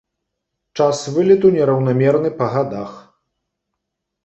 Час вылету нераўнамерны па гадах.